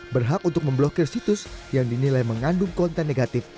berhak untuk memblokir situs yang dinilai mengandung konten negatif